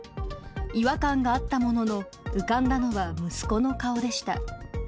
違和感があったものの、浮かんだのは息子の顔でした。